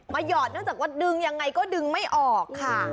หยอดเนื่องจากว่าดึงยังไงก็ดึงไม่ออกค่ะ